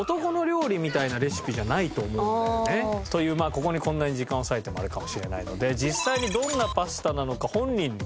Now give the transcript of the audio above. ここにこんなに時間を割いてもあれかもしれないので実際にどんなパスタなのか本人に聞いてきたんだって。